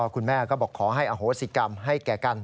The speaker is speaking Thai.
คุณแม่ก็บอกขอให้อโหสิกรรมให้แก่กัน